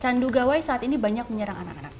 candu gawai saat ini banyak menyerang anak anak